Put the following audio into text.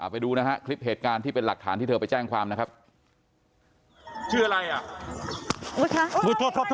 ไปดูนะครับคลิปเหตุการณ์ที่เป็นหลักฐานที่เธอไปแจ้งความนะครับ